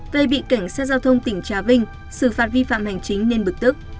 gây bị cảnh sát giao thông tỉnh trà vinh xử phạt vi phạm hành chính nên bực tức